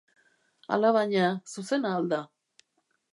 Alabaina, zuzena al da?